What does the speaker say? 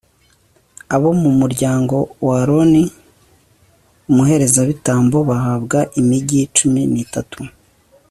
abo mu mu ryango wa aroni umuherezabitambo bahabwa imigi cumi n'itatu